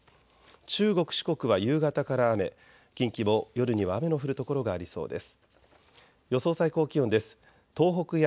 中国、四国は夕方から雨、近畿も夜には雨の降る所がありそうです。